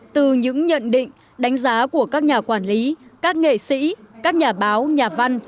từ những nhận định đánh giá của các nhà quản lý các nghệ sĩ các nhà báo nhà văn